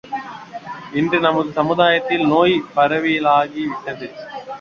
இன்று நமது சமுதாயத்தில் நோய் பரவலாகி விட்டது.